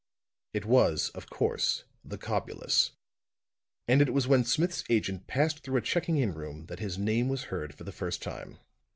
It was, of course, the Cobulus; and it was when Smith's agent passed through a checking in room that his name was heard for the first time.